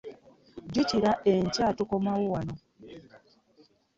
Jjukira enkya tukomawo wano.